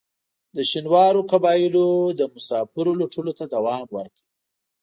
د شینوارو قبایلو د مسافرو لوټلو ته دوام ورکړ.